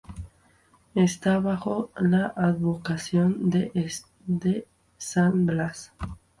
Está bajo la advocación de San Blas.